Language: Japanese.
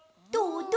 どう？